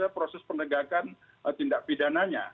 proses penegakan tindak pidananya